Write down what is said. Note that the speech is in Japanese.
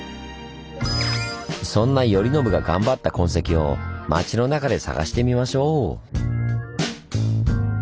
そんな頼宣が頑張った痕跡を町の中で探してみましょう！